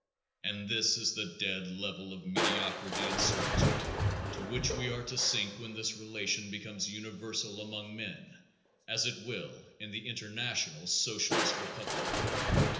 And this is the "dead level" of mediocrity and servitude to which we are to sink when this relation becomes universal among men as it will in the International Socialist Republic!